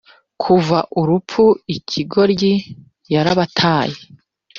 kuva urupfu, ikigoryi, yarabataye,